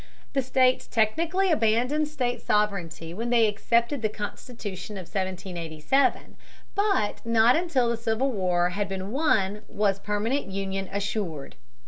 The states technically abandoned state sovereignty when they accepted the Constitution of 1787, but not until the Civil War had been won was permanent union assured.